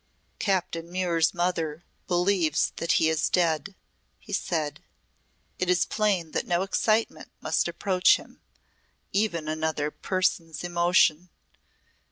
"Captain Muir's mother believes that he is dead," he said. "It is plain that no excitement must approach him even another person's emotion.